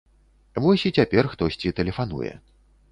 Вось і цяпер хтосьці тэлефануе.